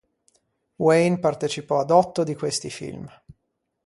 Wayne partecipò ad otto di questi film.